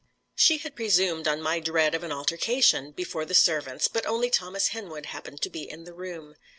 She had presumed on my dread of an altercation before the servants, but only Thomas Henwood happened to be in the room.